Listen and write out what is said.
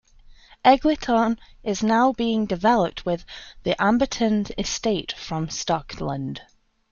Eglinton is now being developed with the Amberton estate from Stockland.